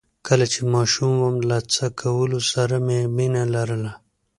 کله چې ماشوم وم له څه کولو سره مې مينه لرله؟